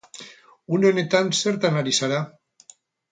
Une honetan, zertan ari zara?